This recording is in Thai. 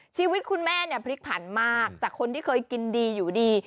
ชีวิตคุณแม่เนี่ยพลิกผันมากจากคนที่เคยกินดีอยู่ดี